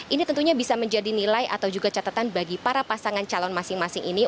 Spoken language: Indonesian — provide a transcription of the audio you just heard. ini tentunya bisa menjadi nilai atau juga catatan bagi para pasangan calon masing masing ini